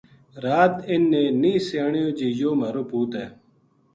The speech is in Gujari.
رات انھ نے نیہہ سیانیو جی یوہ مہارو پوت ہے